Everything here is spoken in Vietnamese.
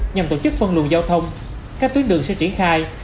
nhằm tổ chức phân luồng giao thông các tuyến đường sẽ triển khai